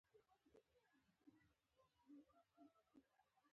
سرساتنمن د ستراتیژیکو عملیاتو لپاره ګډ کار کوي.